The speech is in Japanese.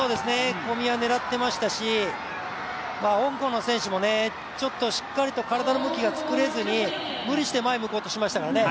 小見は狙っていましたし、香港の選手もちょっと、しっかりと体の向きが作れずに無理して前向こうとしましたからね